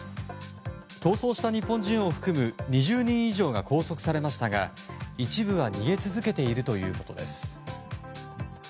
逃走した日本人を含む２０人以上が拘束されましたが一部は逃げ続けているということです。